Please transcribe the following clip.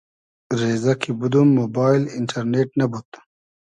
رېزۂ کی بودوم موبایل اینݖئرنېݖ نئبود